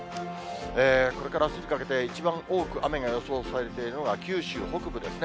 これからあすにかけて、一番多く雨が予想されているのが、九州北部ですね。